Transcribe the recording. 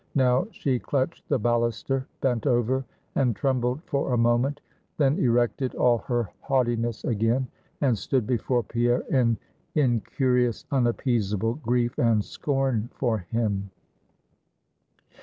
Now she clutched the balluster, bent over, and trembled, for a moment. Then erected all her haughtiness again, and stood before Pierre in incurious, unappeasable grief and scorn for him.